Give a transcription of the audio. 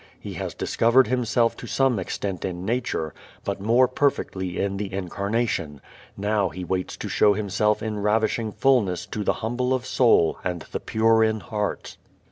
He has discovered Himself to some extent in nature, but more perfectly in the Incarnation; now He waits to show Himself in ravishing fulness to the humble of soul and the pure in heart.